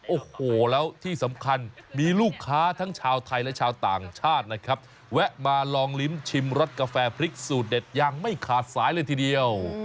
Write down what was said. โอ้โหแล้วที่สำคัญมีลูกค้าทั้งชาวไทยและชาวต่างชาตินะครับแวะมาลองลิ้มชิมรสกาแฟพริกสูตรเด็ดยังไม่ขาดสายเลยทีเดียว